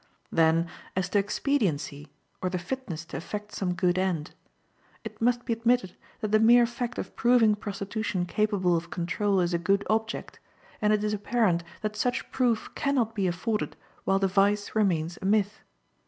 Then, as to expediency, or the fitness to effect some good end. It must be admitted that the mere fact of proving prostitution capable of control is a good object, and it is apparent that such proof can not be afforded while the vice remains a myth.